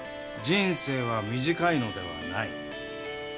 人生は短いのではない。